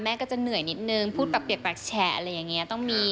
แม่ก็จะเหนื่อยนิดหนึ่งพูดปรับเปลี่ยกปรับแฉะอะไรอย่างนี้